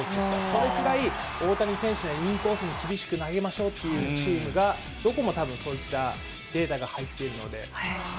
それくらい、大谷選手にはインコースに厳しく投げましょうというチームが、どこもたぶんそういったデータが入っているので。